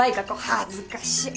恥ずかしい。